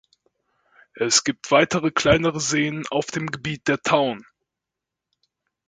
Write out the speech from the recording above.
Es gibt weitere kleinere Seen auf dem Gebiet der Town.